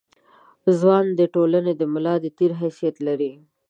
ځوان د ټولنې د ملا د تیر حیثیت لري.